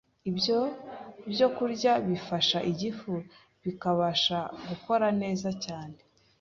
ibyo byokurya bifasha igifu kikabasha gukora neza cyane